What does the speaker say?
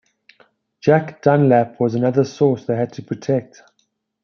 Jack Dunlap was just another source they had to protect.